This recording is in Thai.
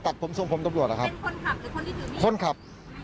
ผมทรงผมตำรวจนะครับเป็นคนขับหรือคนที่ถือมีดคนขับ